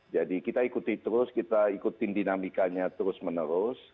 jadi kita ikuti terus kita ikuti dinamikanya terus menerus